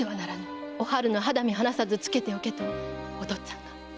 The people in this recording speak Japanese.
〔おはるの肌身はなさず付けておけとお父っつぁんが〕